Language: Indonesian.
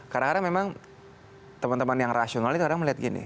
kadang kadang memang teman teman yang rasional itu kadang melihat gini